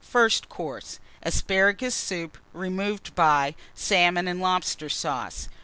First Course. Asparagus Soup, removed by Salmon and Lobster Sauce.